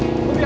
gue biasa aja